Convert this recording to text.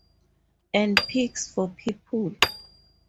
And pigs for people.